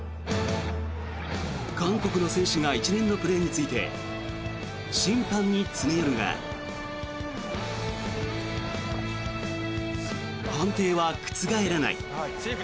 韓国の選手が一連のプレーについて審判に詰め寄るが判定は覆らない。